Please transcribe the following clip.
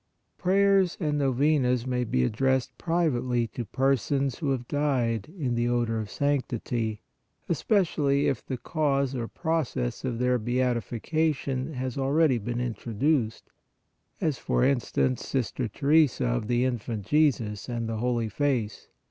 Prayers and No venas may be addressed privately to persons who 70 PRAYER have died in the odor of sanctity, especially if the Cause or Process of their Beatification has already been introduced, as for instance, Sister Therese of the Infant Jesus and the Holy Face.